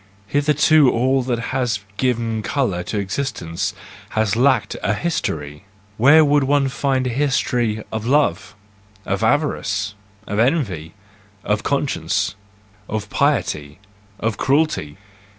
Hitherto all that has given colour to existence has lacked a history: where would oqe find a history of love, of avarice, THE JOYFUL WISDOM, I 43 of envy, of conscience, of piety, of cruelty